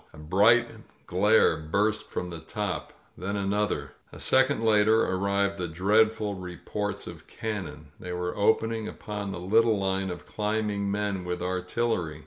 A bright glare burst from the top — then another. A second later arrived the dreadful re ports of cannon. They were opening upon the little line of climbing men with artillery